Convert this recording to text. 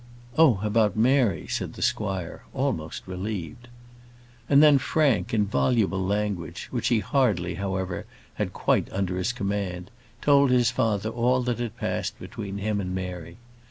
"Oh, about Mary," said the squire, almost relieved. And then Frank, in voluble language, which he hardly, however, had quite under his command, told his father all that had passed between him and Mary.